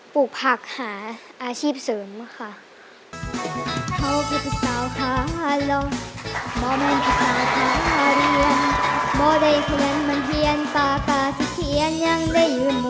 ปลูกผักหาอาชีพเสริมค่ะ